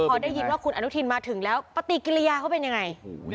พอได้ยินว่าคุณอนุทินมาถึงแล้วปฏิกิริยาเขาเป็นยังไง